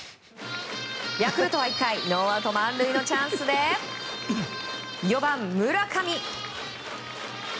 ヤクルトは１回ノーアウト満塁のチャンスで４番、村上。